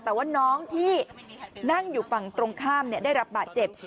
แต่ว่าน้องที่นั่งอยู่ฝั่งตรงข้ามได้รับบาดเจ็บ